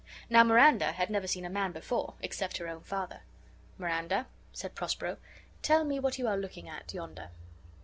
Now Miranda had never seen a man before, except her own father. "Miranda," said Prospero, "tell me what you are looking at yonder."